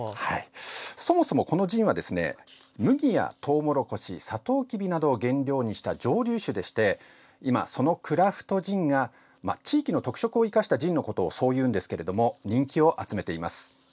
そもそも、このジンは麦やとうもろこしさとうきびなどを原料にした蒸留酒でして今そのクラフトジン地域の特色を生かしたジンをそういうんですが人気を集めています。